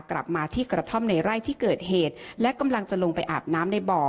กลับมาที่กระท่อมในไร่ที่เกิดเหตุและกำลังจะลงไปอาบน้ำในบ่อ